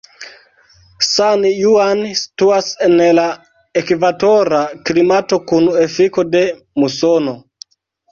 San Juan situas en la ekvatora klimato kun efiko de musono.